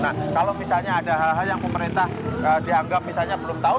nah kalau misalnya ada hal hal yang pemerintah dianggap misalnya belum tahu